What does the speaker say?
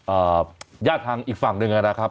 ญาติทางอีกฝั่งหนึ่งนะครับ